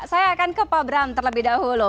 saya akan ke pak bram terlebih dahulu